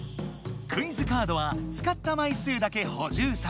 クイズカードはつかったまい数だけ補充される。